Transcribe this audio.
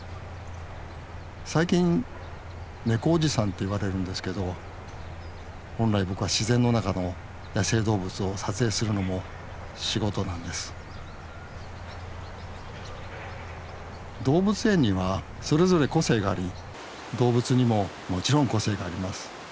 最近「ネコおじさん」って言われるんですけど本来僕は自然の中の野生動物を撮影するのも仕事なんです動物園にはそれぞれ個性があり動物にももちろん個性があります。